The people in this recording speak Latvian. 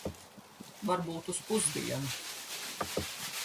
Varbūt uz pusdienu.